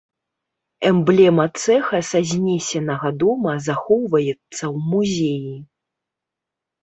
Эмблема цэха са знесенага дома захоўваецца ў музеі.